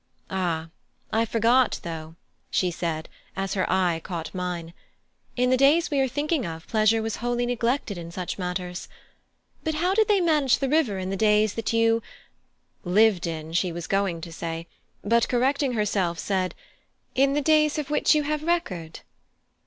Ah! I forgot, though," she said, as her eye caught mine, "in the days we are thinking of pleasure was wholly neglected in such matters. But how did they manage the river in the days that you " Lived in she was going to say; but correcting herself, said "in the days of which you have record?"